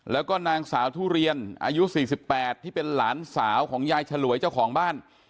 แล้วก็นางสาวทุเรียนอายุ๔๘ที่เป็นหลานสาวของยายฉลวยเจ้าของบ้าน